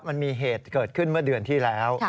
มันมีเหตุเกิดขึ้นเมื่อเดือนที่แล้ว